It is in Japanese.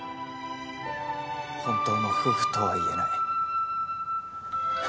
本当の夫婦とはいえない。